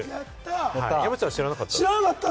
山ちゃん、知らなかった？